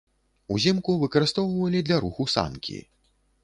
Узімку выкарыстоўвалі для руху санкі.